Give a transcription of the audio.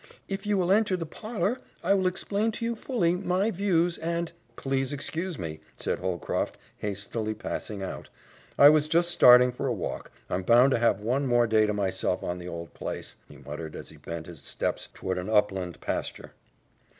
"If you will enter the parlor, I will explain to you fully my views, and " "Oh, please excuse me!" said Holcroft, hastily passing out. "I was just starting for a walk I'm bound to have one more day to myself on the old place," he muttered as he bent his steps toward an upland pasture.